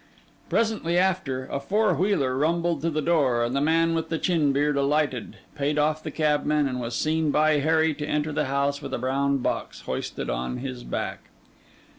Presently after, a four wheeler rumbled to the door, and the man with the chin beard alighted, paid off the cabman, and was seen by Harry to enter the house with a brown box hoisted on his back.